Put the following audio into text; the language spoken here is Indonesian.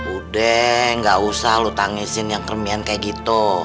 udah deh gak usah lo tangisin yang kermian kayak gitu